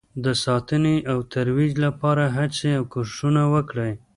د ساتنې او ترویج لپاره هڅې او کوښښونه وکړئ